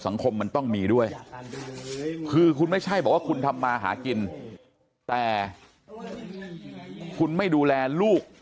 สังคมมันต้องมีด้วยคือคุณไม่ใช่บอกว่าคุณทำมาหากินแต่คุณไม่ดูแลลูก